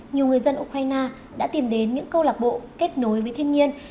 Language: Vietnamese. nhiều người dân ukraine đã tìm đến những câu lạc bộ kết nối với thiên nhiên